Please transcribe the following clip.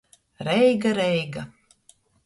Reiga, Reiga.